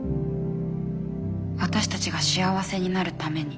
私たちが幸せになるために。